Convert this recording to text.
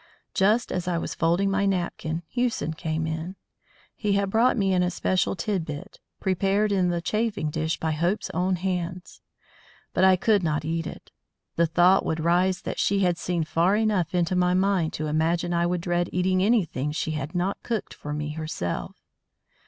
Just as I was folding my napkin, Hewson came in. He had brought me an especial tid bit, prepared in the chafing dish by Hope's own hands. But I could not eat it. The thought would rise that she had seen far enough into my mind to imagine I would dread eating anything she had not cooked for me herself.